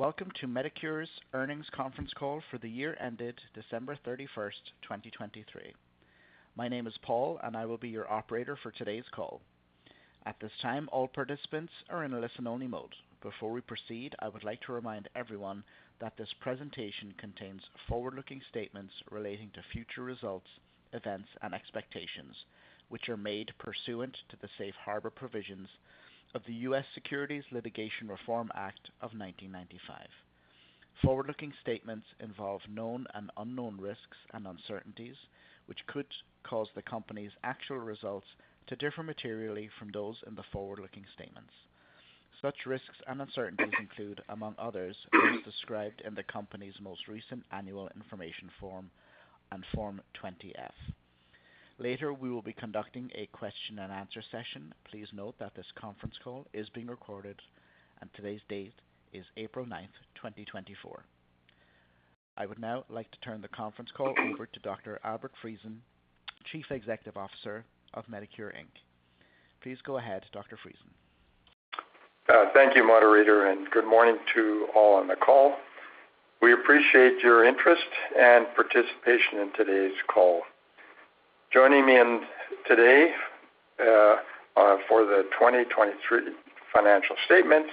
Welcome to Medicure's earnings conference call for the year ended December 31st, 2023. My name is Paul, and I will be your operator for today's call. At this time, all participants are in a listen-only mode. Before we proceed, I would like to remind everyone that this presentation contains forward-looking statements relating to future results, events, and expectations, which are made pursuant to the Safe Harbor provisions of the U.S. Securities Litigation Reform Act of 1995. Forward-looking statements involve known and unknown risks and uncertainties, which could cause the company's actual results to differ materially from those in the forward-looking statements. Such risks and uncertainties include, among others, those described in the company's most recent annual information form and Form 20-F. Later, we will be conducting a question-and-answer session. Please note that this conference call is being recorded, and today's date is April 9th, 2024. I would now like to turn the conference call over to Dr. Albert Friesen, Chief Executive Officer of Medicure, Inc. Please go ahead, Dr. Friesen. Thank you, moderator, and good morning to all on the call. We appreciate your interest and participation in today's call. Joining me today for the 2023 financial statements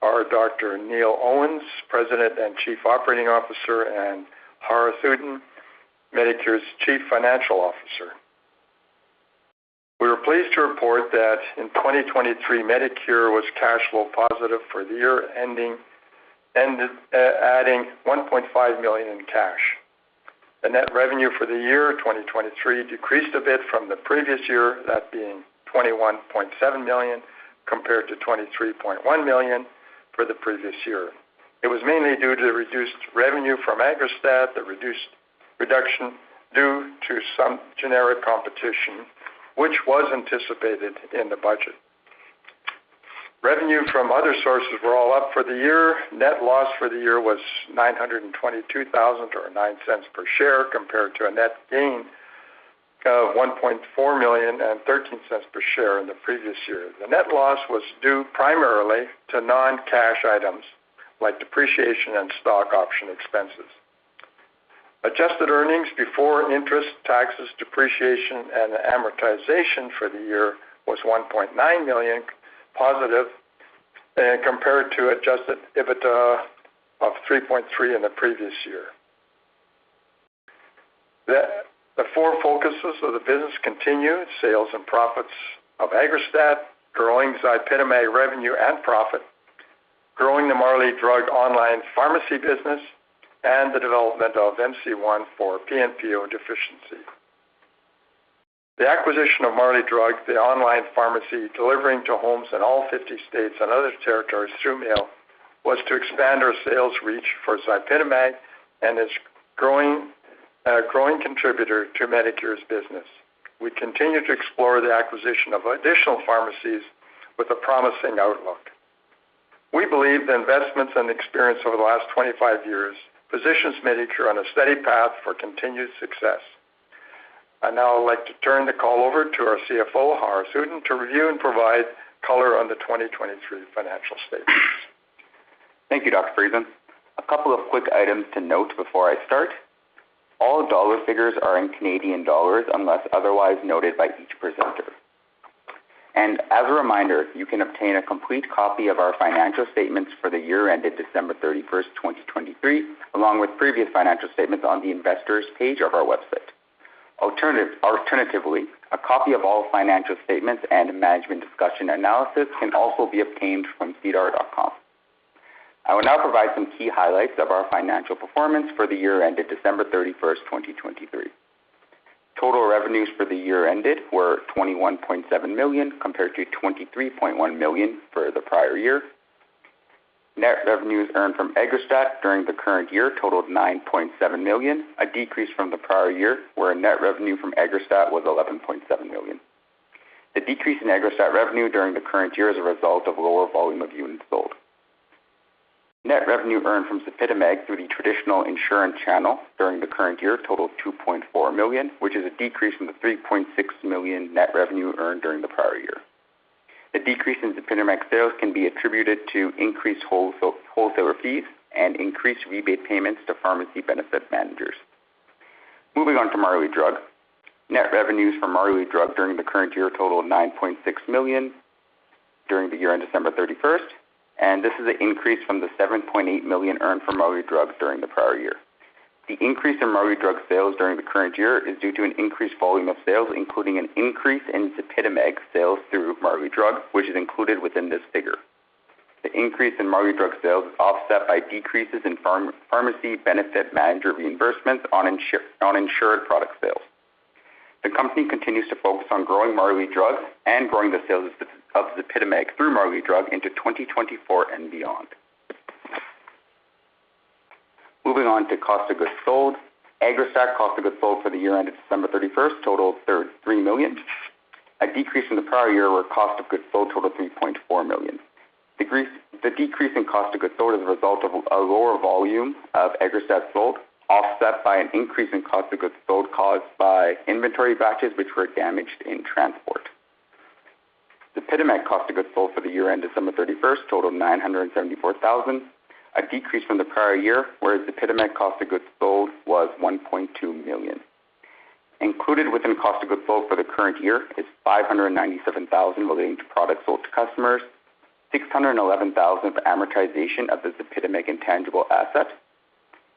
are Dr. Neil Owens, President and Chief Operating Officer, and Rahul Gautam, Medicure's Chief Financial Officer. We are pleased to report that in 2023, Medicure was cash flow positive for the year, adding 1.5 million in cash. The net revenue for the year 2023 decreased a bit from the previous year, that being 21.7 million compared to 23.1 million for the previous year. It was mainly due to reduced revenue from AGGRASTAT, the reduction due to some generic competition, which was anticipated in the budget. Revenue from other sources were all up for the year. Net loss for the year was 922,000 or 0.09 per share compared to a net gain of 1.4 million and 0.13 per share in the previous year. The net loss was due primarily to non-cash items like depreciation and stock option expenses. Adjusted earnings before interest, taxes, depreciation, and amortization for the year was 1.9 million positive compared to adjusted EBITDA of 3.3 million in the previous year. The 4 focuses of the business continue: sales and profits of AGGRASTAT, growing ZYPITAMAG revenue and profit, growing the Marley Drug online pharmacy business, and the development of MC-1 for PNPO deficiency. The acquisition of Marley Drug, the online pharmacy delivering to homes in all 50 states and other territories through mail, was to expand our sales reach for ZYPITAMAG and its growing contributor to Medicure's business. We continue to explore the acquisition of additional pharmacies with a promising outlook. We believe the investments and experience over the last 25 years positions Medicure on a steady path for continued success. I now would like to turn the call over to our CFO, Rahul Gautam, to review and provide color on the 2023 financial statements. Thank you, Dr. Friesen. A couple of quick items to note before I start. All dollar figures are in Canadian dollars unless otherwise noted by each presenter. As a reminder, you can obtain a complete copy of our financial statements for the year ended December 31st, 2023, along with previous financial statements on the investors page of our website. Alternatively, a copy of all financial statements and Management Discussion and Analysis can also be obtained from SEDAR.com. I will now provide some key highlights of our financial performance for the year ended December 31st, 2023. Total revenues for the year ended were 21.7 million compared to 23.1 million for the prior year. Net revenues earned from AGGRASTAT during the current year totaled 9.7 million, a decrease from the prior year where net revenue from AGGRASTAT was 11.7 million. The decrease in AGGRASTAT revenue during the current year is a result of lower volume of units sold. Net revenue earned from ZYPITAMAG through the traditional insurance channel during the current year totaled 2.4 million, which is a decrease from the 3.6 million net revenue earned during the prior year. The decrease in ZYPITAMAG sales can be attributed to increased wholesaler fees and increased rebate payments to pharmacy benefit managers. Moving on to Marley Drug. Net revenues from Marley Drug during the current year totaled 9.6 million during the year ended December 31st, and this is an increase from the 7.8 million earned from Marley Drug during the prior year. The increase in Marley Drug sales during the current year is due to an increased volume of sales, including an increase in ZYPITAMAG sales through Marley Drug, which is included within this figure. The increase in Marley Drug sales is offset by decreases in pharmacy benefit manager reimbursements on insured product sales. The company continues to focus on growing Marley Drug and growing the sales of Zypitamag through Marley Drug into 2024 and beyond. Moving on to cost of goods sold. AGGRASTAT cost of goods sold for the year ended December 31st totaled 3 million, a decrease from the prior year where cost of goods sold totaled 3.4 million. The decrease in cost of goods sold is a result of a lower volume of AGGRASTAT sold, offset by an increase in cost of goods sold caused by inventory batches, which were damaged in transport. ZYPITAMAG cost of goods sold for the year ended December 31st totaled 974,000, a decrease from the prior year where ZYPITAMAG cost of goods sold was 1.2 million. Included within cost of goods sold for the current year is 597,000 relating to products sold to customers, 611,000 for amortization of the ZYPITAMAG intangible assets,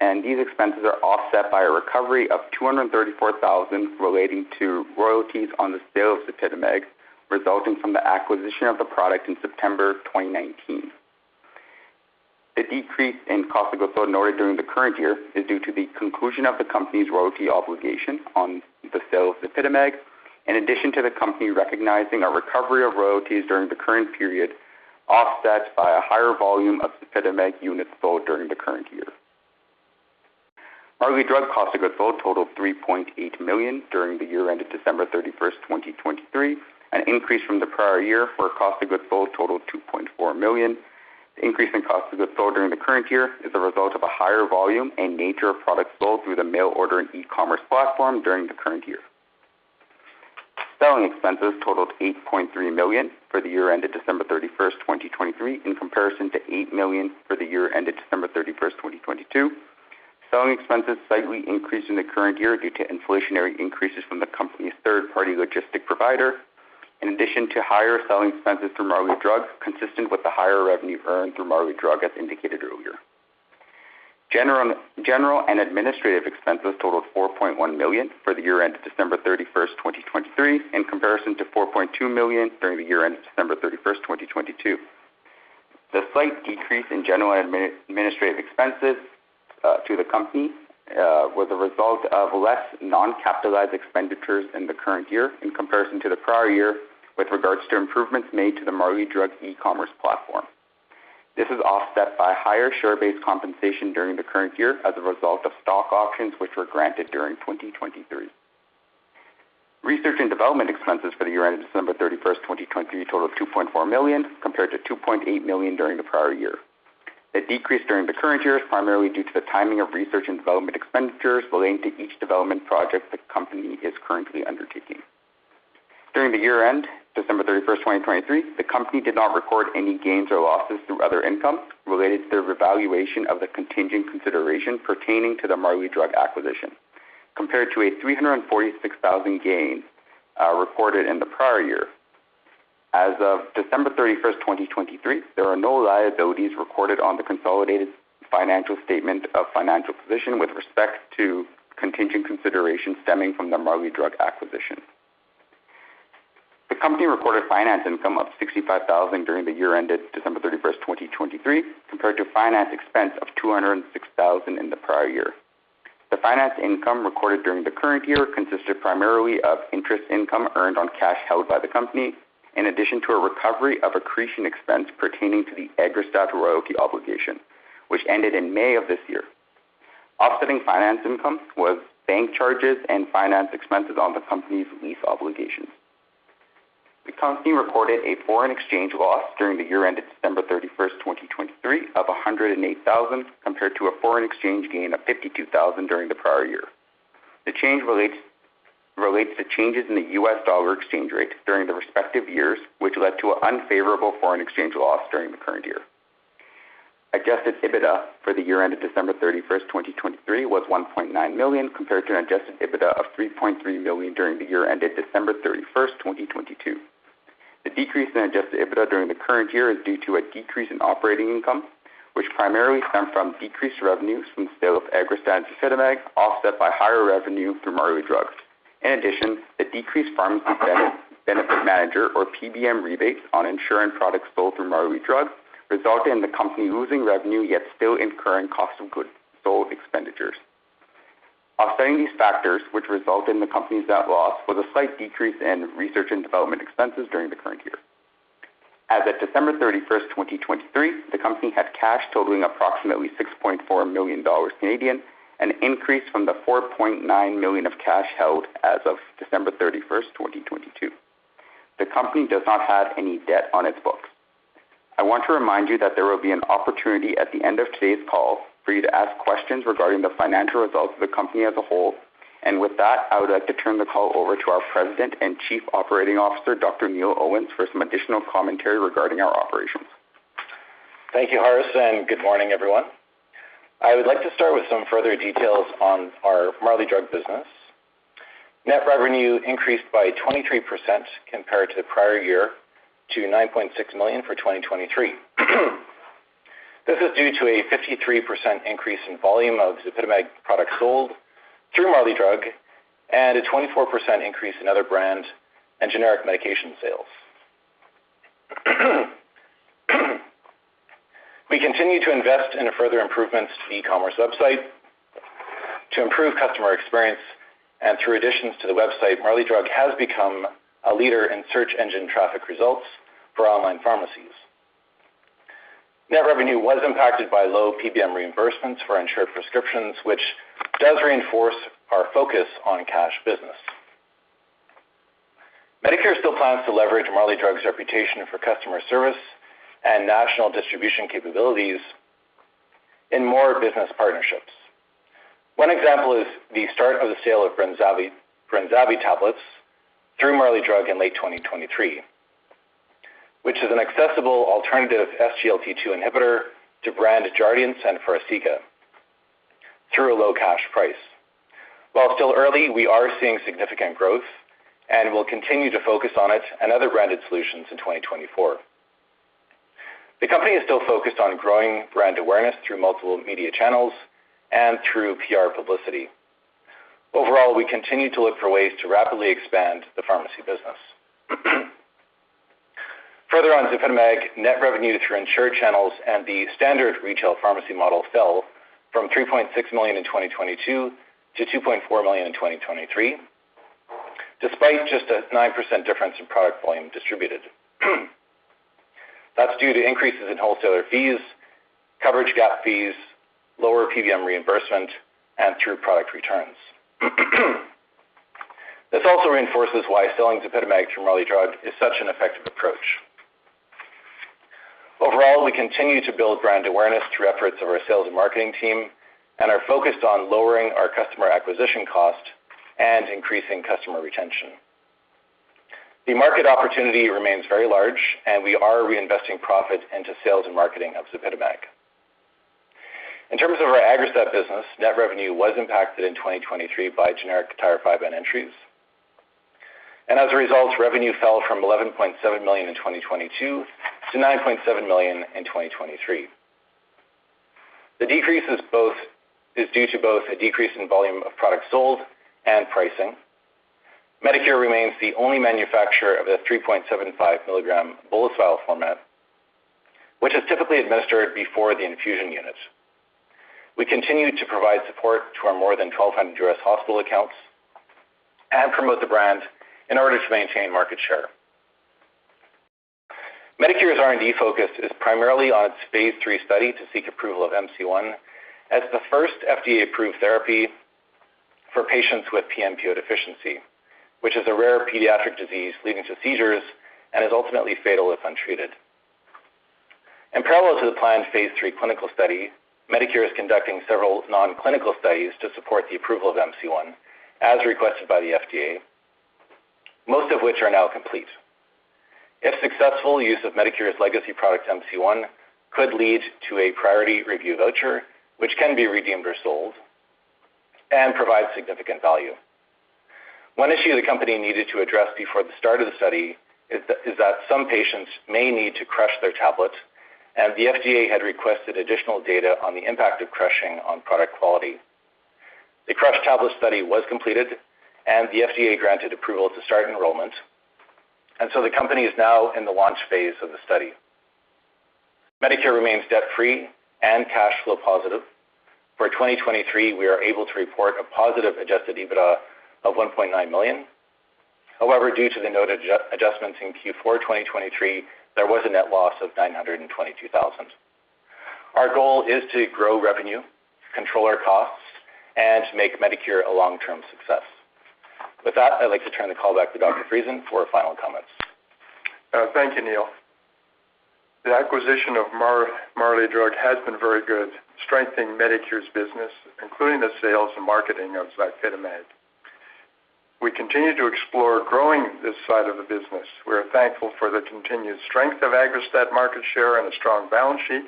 and these expenses are offset by a recovery of 234,000 relating to royalties on the sale of ZYPITAMAG resulting from the acquisition of the product in September 2019. The decrease in cost of goods sold noted during the current year is due to the conclusion of the company's royalty obligation on the sale of ZYPITAMAG, in addition to the company recognizing a recovery of royalties during the current period offset by a higher volume of ZYPITAMAG units sold during the current year. Marley Drug cost of goods sold totaled 3.8 million during the year ended December 31st, 2023, an increase from the prior year where cost of goods sold totaled 2.4 million. The increase in cost of goods sold during the current year is a result of a higher volume and nature of products sold through the mail order and e-commerce platform during the current year. Selling expenses totaled 8.3 million for the year ended December 31st, 2023, in comparison to 8 million for the year ended December 31st, 2022. Selling expenses slightly increased in the current year due to inflationary increases from the company's third-party logistic provider, in addition to higher selling expenses through Marley Drug consistent with the higher revenue earned through Marley Drug as indicated earlier. General and administrative expenses totaled 4.1 million for the year ended December 31st, 2023, in comparison to 4.2 million during the year ended December 31st, 2022. The slight decrease in general and administrative expenses to the company was a result of less non-capitalized expenditures in the current year in comparison to the prior year with regards to improvements made to the Marley Drug e-commerce platform. This is offset by higher share-based compensation during the current year as a result of stock options which were granted during 2023. Research and development expenses for the year ended December 31st, 2023, totaled 2.4 million compared to 2.8 million during the prior year. The decrease during the current year is primarily due to the timing of research and development expenditures relating to each development project the company is currently undertaking. During the year end, December 31st, 2023, the company did not record any gains or losses through other income related to their revaluation of the contingent consideration pertaining to the Marley Drug acquisition compared to a 346,000 gain recorded in the prior year. As of December 31st, 2023, there are no liabilities recorded on the consolidated financial statement of financial position with respect to contingent consideration stemming from the Marley Drug acquisition. The company recorded finance income of 65,000 during the year ended December 31st, 2023, compared to finance expense of 206,000 in the prior year. The finance income recorded during the current year consisted primarily of interest income earned on cash held by the company, in addition to a recovery of accretion expense pertaining to the AGGRASTAT royalty obligation, which ended in May of this year. Offsetting finance income was bank charges and finance expenses on the company's lease obligations. The company recorded a foreign exchange loss during the year ended December 31st, 2023, of 108,000 compared to a foreign exchange gain of 52,000 during the prior year. The change relates to changes in the U.S. dollar exchange rate during the respective years, which led to an unfavorable foreign exchange loss during the current year. Adjusted EBITDA for the year ended December 31st, 2023, was 1.9 million compared to an adjusted EBITDA of 3.3 million during the year ended December 31st, 2022. The decrease in adjusted EBITDA during the current year is due to a decrease in operating income, which primarily stemmed from decreased revenues from the sale of AGGRASTAT and ZYPITAMAG, offset by higher revenue through Marley Drug. In addition, the decreased pharmacy benefit manager or PBM rebates on insurance products sold through Marley Drug resulted in the company losing revenue yet still incurring cost of goods sold expenditures. Offsetting these factors, which resulted in the company's net loss, was a slight decrease in research and development expenses during the current year. As of December 31st, 2023, the company had cash totaling approximately $6.4 million, an increase from the $4.9 million of cash held as of December 31st, 2022. The company does not have any debt on its books. I want to remind you that there will be an opportunity at the end of today's call for you to ask questions regarding the financial results of the company as a whole. And with that, I would like to turn the call over to our President and Chief Operating Officer, Dr. Neil Owens, for some additional commentary regarding our operations. Thank you, Haaris, and good morning, everyone. I would like to start with some further details on our Marley Drug business. Net revenue increased by 23% compared to the prior year to $9.6 million for 2023. This is due to a 53% increase in volume of ZYPITAMAG products sold through Marley Drug and a 24% increase in other brand and generic medication sales. We continue to invest in further improvements to the e-commerce website to improve customer experience, and through additions to the website, Marley Drug has become a leader in search engine traffic results for online pharmacies. Net revenue was impacted by low PBM reimbursements for insured prescriptions, which does reinforce our focus on cash business. Medicure still plans to leverage Marley Drug's reputation for customer service and national distribution capabilities in more business partnerships. One example is the start of the sale of BRENZAVVY tablets through Marley Drug in late 2023, which is an accessible alternative SGLT-2 inhibitor to brand Jardiance and Farxiga through a low cash price. While still early, we are seeing significant growth and will continue to focus on it and other branded solutions in 2024. The company is still focused on growing brand awareness through multiple media channels and through PR publicity. Overall, we continue to look for ways to rapidly expand the pharmacy business. Further on Zypitamag, net revenue through insured channels and the standard retail pharmacy model fell from $3.6 million in 2022 to $2.4 million in 2023, despite just a 9% difference in product volume distributed. That's due to increases in wholesaler fees, coverage gap fees, lower PBM reimbursement, and through product returns. This also reinforces why selling Zypitamag through Marley Drug is such an effective approach. Overall, we continue to build brand awareness through efforts of our sales and marketing team and are focused on lowering our customer acquisition cost and increasing customer retention. The market opportunity remains very large, and we are reinvesting profit into sales and marketing of ZYPITAMAG. In terms of our AGGRASTAT business, net revenue was impacted in 2023 by generic tirofiban entries. As a result, revenue fell from 11.7 million in 2022 to 9.7 million in 2023. The decrease is due to both a decrease in volume of products sold and pricing. Medicure remains the only manufacturer of the 3.75 milligram bolus vial format, which is typically administered before the infusion unit. We continue to provide support to our more than 1,200 U.S. hospital accounts and promote the brand in order to maintain market share. Medicure's R&D focus is primarily on its phase III study to seek approval of MC-1 as the first FDA-approved therapy for patients with PNPO deficiency, which is a rare pediatric disease leading to seizures and is ultimately fatal if untreated. In parallel to the planned phase III clinical study, Medicure is conducting several non-clinical studies to support the approval of MC-1 as requested by the FDA, most of which are now complete. If successful, use of Medicure's legacy product MC-1 could lead to a priority review voucher, which can be redeemed or sold and provide significant value. One issue the company needed to address before the start of the study is that some patients may need to crush their tablet, and the FDA had requested additional data on the impact of crushing on product quality. The crush tablet study was completed, and the FDA granted approval to start enrollment. And so the company is now in the launch phase of the study. Medicure remains debt-free and cash flow positive. For 2023, we are able to report a positive adjusted EBITDA of 1.9 million. However, due to the noted adjustments in Q4 2023, there was a net loss of 922,000. Our goal is to grow revenue, control our costs, and make Medicure a long-term success. With that, I'd like to turn the call back to Dr. Friesen for final comments. Thank you, Neil. The acquisition of Marley Drug has been very good, strengthening Medicure's business, including the sales and marketing of Zypitamag. We continue to explore growing this side of the business. We are thankful for the continued strength of AGGRASTAT market share and a strong balance sheet.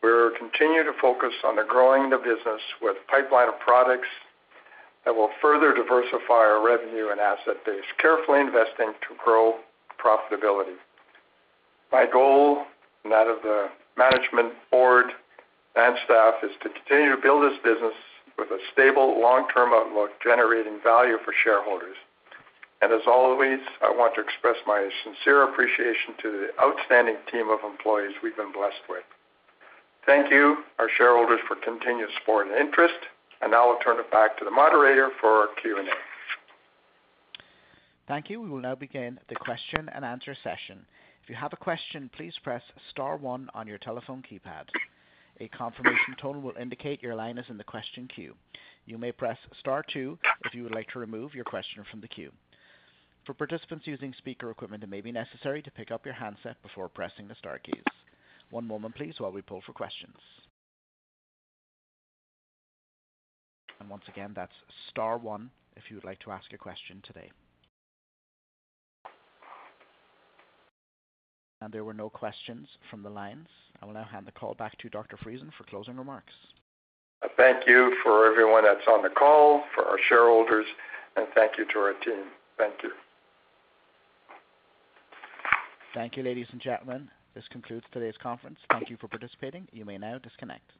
We continue to focus on the growing of the business with a pipeline of products that will further diversify our revenue and asset base, carefully investing to grow profitability. My goal, and that of the management board and staff, is to continue to build this business with a stable, long-term outlook generating value for shareholders. And as always, I want to express my sincere appreciation to the outstanding team of employees we've been blessed with. Thank you, our shareholders, for continued support and interest. And now I'll turn it back to the moderator for Q&A. Thank you. We will now begin the question and answer session. If you have a question, please press star one on your telephone keypad. A confirmation tone will indicate your line is in the question queue. You may press star two if you would like to remove your question from the queue. For participants using speaker equipment, it may be necessary to pick up your handset before pressing the star keys. One moment, please, while we pull for questions. And once again, that's star one if you would like to ask a question today. And there were no questions from the lines. I will now hand the call back to Dr. Friesen for closing remarks. Thank you for everyone that's on the call, for our shareholders, and thank you to our team. Thank you. Thank you, ladies and gentlemen. This concludes today's conference. Thank you for participating. You may now disconnect.